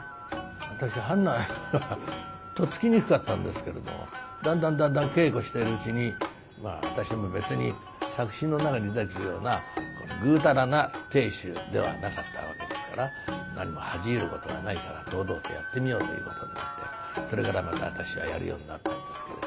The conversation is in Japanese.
私とっつきにくかったんですけれどもだんだんだんだん稽古してるうちにまあ私も別に作品の中に出てくるようなぐうたらな亭主ではなかったわけですから何も恥じ入ることはないから堂々とやってみようということでもってそれからまた私はやるようになったんですけれども。